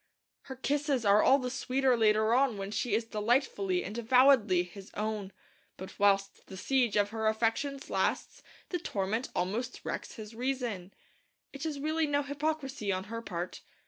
Her kisses are all the sweeter later on when she is delightfully and avowedly his own; but whilst the siege of her affections lasts the torment almost wrecks his reason. It is really no hypocrisy on her part.